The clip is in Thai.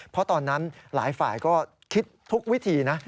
เพราะตอนนั้นหลายฝ่ายก็คิดทุกวิธีนะ